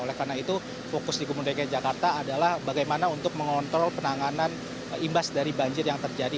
oleh karena itu fokus di gubernur dki jakarta adalah bagaimana untuk mengontrol penanganan imbas dari banjir yang terjadi